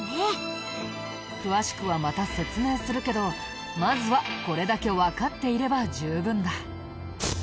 詳しくはまた説明するけどまずはこれだけわかっていれば十分だ。